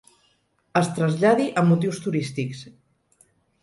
Es traslladi amb motius turístics.